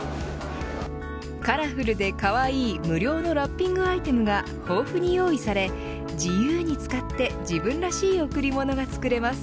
カラフルでかわいい無料のラッピングアイテムが豊富に用意され自由に使って自分らしい贈り物が作れます。